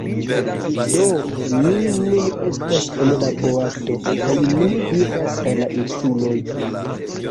Do, ni nun estas en la boato kaj ni iras al la insuloj